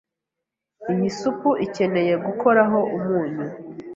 Iyi supu ikeneye gukoraho umunyu.